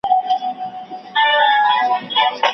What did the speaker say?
ځینې محصلین په خپلو لیکنو کي احساساتي کېږي.